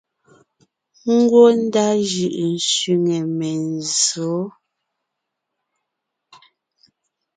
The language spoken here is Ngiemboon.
Ngwɔ́ ndá jʉʼʉ sẅiŋe menzsǒ.